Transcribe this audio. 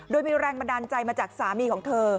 โดยมีแรงบันดาลใจมาจากสามีของเธอ